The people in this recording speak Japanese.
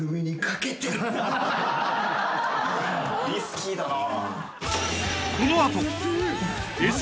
リスキーだな。